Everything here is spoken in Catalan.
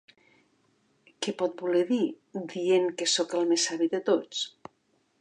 Què pot voler dir, dient que sóc el més savi de tots?